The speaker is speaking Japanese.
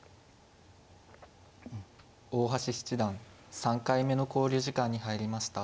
大橋三段３回目の考慮時間に入りました。